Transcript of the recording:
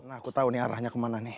aku tau nih arahnya kemana nih